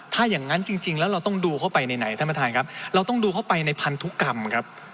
ถ้าอย่างนั้นจริงแล้วเราต้องดูเข้าไปไหนท่านประธานครับเราต้องดูเข้าไปในพันธุกรรมครับ